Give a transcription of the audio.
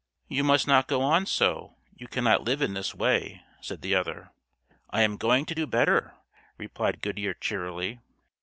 "You must not go on so; you cannot live in this way," said the other. "I am going to do better," replied Goodyear cheerily.